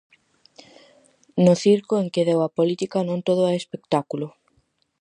No circo en que deu a política non todo é espectáculo.